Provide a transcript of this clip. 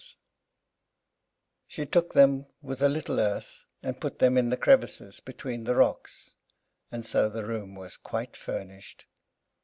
She took them with a little earth, and put them in the crevices between the rocks; and so the room was quite furnished.